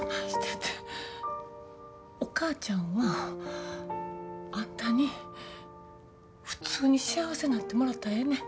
お母ちゃんは、あんたに普通に幸せなってもらったらええねん。